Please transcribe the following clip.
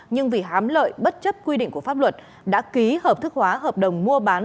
nhưng vì hám lợi bất chấp quy định của pháp luật đã ký hợp thức hóa hợp đồng mua bán